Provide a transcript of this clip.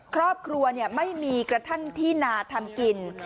ครอบครัวไม่มีกระทั่งที่นาทำกิน